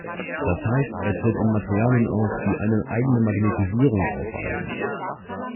Das heißt, er tritt in Materialien auf, die eine eigene Magnetisierung aufweisen.